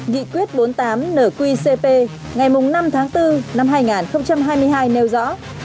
nghị quyết bốn mươi tám nqcp ngày năm tháng bốn năm hai nghìn hai mươi hai nêu rõ